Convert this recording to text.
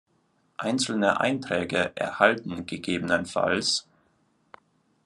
Einzelne Einträge erhalten ggf.